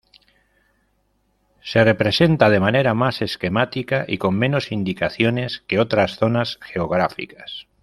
Se representa de manera más esquemática y con menos indicaciones que otras zonas geográficas.